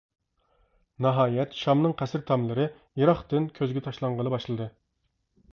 ناھايەت، شامنىڭ قەسىر تاملىرى يىراقتىن كۆزگە تاشلانغىلى باشلىدى.